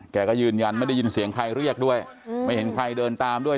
แกก็ยืนยันไม่ได้ยินเสียงใครเรียกด้วยไม่เห็นใครเดินตามด้วย